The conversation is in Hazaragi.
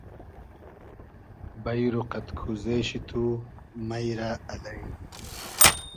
بݷرو قئد کوزې شی تو مݷ رۂ الݷ